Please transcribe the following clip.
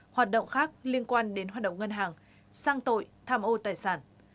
hoạt động khác liên quan đến hoạt động ngân hàng sang tội tham ô tài sản